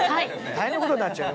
大変なことになっちゃう。